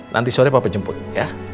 nanti sore bapak penjemput ya